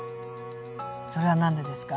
それは何でですか？